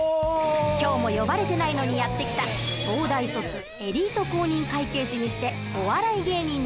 今日も呼ばれてないのにやって来た東大卒エリート公認会計士にしてお笑い芸人のわたび。